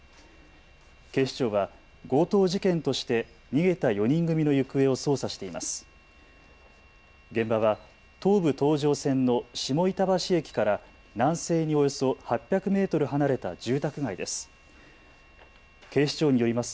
警視庁は強盗事件として逃げた４人組の行方を捜査しています。